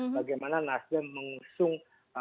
bagaimana nasdem mengusung